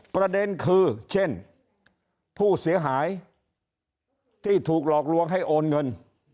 ประเด็นคือเช่นผู้เสียหายที่ถูกหลอกลวงให้โอนเงิน